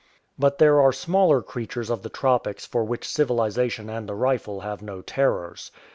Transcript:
But there are smaller creatures of the tropics for which civilization and the rifle have no terrors.